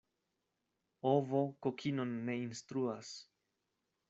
Ovo kokinon ne instruas.